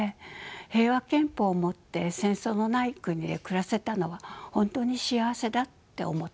平和憲法を持って戦争のない国で暮らせたのは本当に幸せだって思っています。